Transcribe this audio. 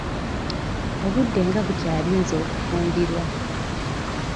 Obudde nga bukyali nze okufumbirwa.